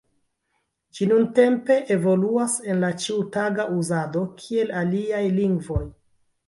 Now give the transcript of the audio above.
Ĝi nuntempe evoluas en la ĉiutaga uzado kiel aliaj lingvoj.